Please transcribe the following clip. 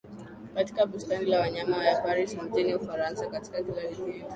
katika bustani ya wanyama ya Paris mjini Ufaransa katika kila wikendi